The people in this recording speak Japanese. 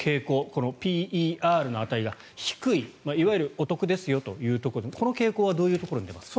このＰＥＲの値が低いいわゆるお得ですよというところでこの傾向はどの辺りに出ますか。